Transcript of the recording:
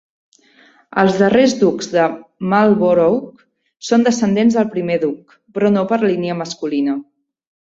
Els darrers Ducs de Marlborough són descendents del primer Duc, però no per línia masculina.